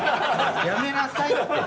やめなさいって。